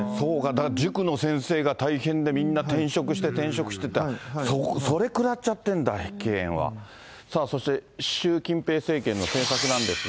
だから塾の先生が大変で、みんな転職して、転職してって、それくらっちゃってるんだ、碧桂園は。さあそして、習近平政権の政策なんですが。